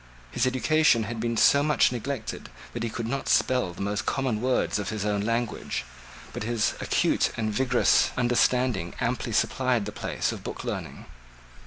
His education had been so much neglected that he could not spell the most common words of his own language: but his acute and vigorous understanding amply supplied the place of book learning.